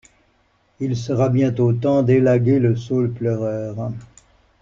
Il sera bientôt temps d'élaguer le saule pleureur.